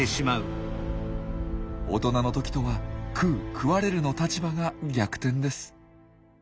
大人の時とは食う食われるの立場が逆転です。